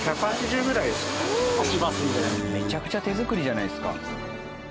めちゃくちゃ手作りじゃないですか。